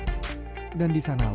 dan di sanalah tujuan alam yang menarik